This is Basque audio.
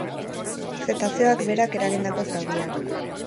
Zetazeoak berak eragindako zauriak.